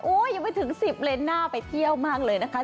ยังไม่ถึง๑๐เลนน่าไปเที่ยวมากเลยนะคะ